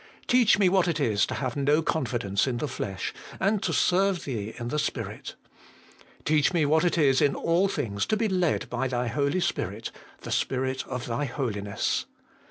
Teach me what it is to have no confidence in the flesh, and to serve Thee in the Spirit. Teach me what it is in all things to be led by Thy Holy Spirit, the Spirit of Thy Holiness.